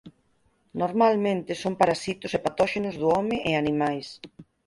Normalmente son parasitos e patóxenos do home e animais.